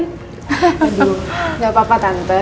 aduh gak apa apa tante